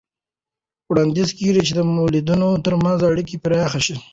وړاندیز کېږي چې د مؤلدینو ترمنځ اړیکې پراخه شي.